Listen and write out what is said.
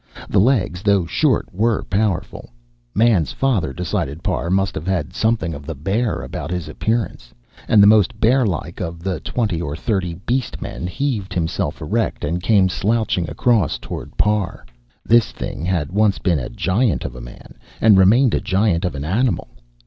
The legs, though short, were powerful. Man's father, decided Parr, must have had something of the bear about his appearance ... and the most bearlike of the twenty or thirty beast men heaved himself erect and came slouching across toward Parr. This thing had once been a giant of a man, and remained a giant of an animal.